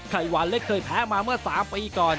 ไข่หวานเล็กเคยแพ้มาเมื่อ๓ปีก่อน